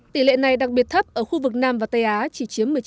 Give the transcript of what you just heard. tỷ lệ này đặc biệt thấp ở khu vực nam và tây á chỉ chiếm một mươi chín